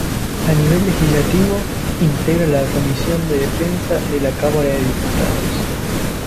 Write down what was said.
A nivel legislativo, integra la comisión de defensa de la Cámara de diputados.